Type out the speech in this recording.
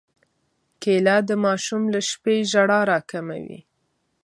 کېله د ماشوم له شپې ژړا راکموي.